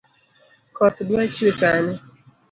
Koth dwa chwee sani